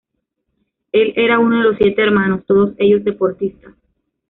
Él era uno de los siete hermanos todos ellos deportistas.